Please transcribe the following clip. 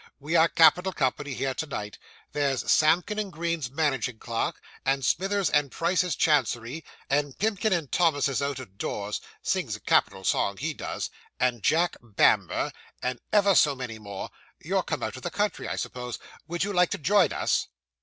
We are capital company here to night. There's Samkin and Green's managing clerk, and Smithers and Price's chancery, and Pimkin and Thomas's out o' doors sings a capital song, he does and Jack Bamber, and ever so many more. You're come out of the country, I suppose. Would you like to join us?